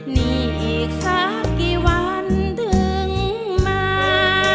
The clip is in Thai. นี่อีกสักกี่วันถึงมา